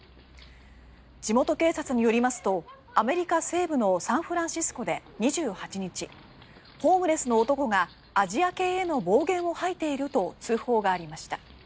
地元警察によりますとアメリカ西部のサンフランシスコで２８日ホームレスの男がアジア系への暴言を吐いていると通報がありました。